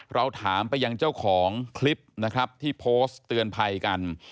เราถามไปยังเจ้าของคลิปนะครับที่โพสต์เตือนภัยกัน